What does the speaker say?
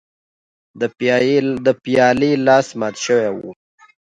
د پیالې لاس مات شوی و.